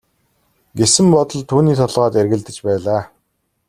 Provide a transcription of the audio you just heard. гэсэн бодол түүний толгойд эргэлдэж байлаа.